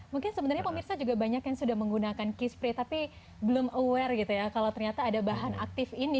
mungkin sebenarnya pemirsa juga banyak yang sudah menggunakan key spray tapi belum aware gitu ya kalau ternyata ada bahan aktif ini